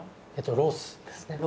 ロースですね。